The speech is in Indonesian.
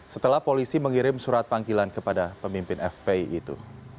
setelah polisi mengirim surat panggilan kepada pemimpin fpi itu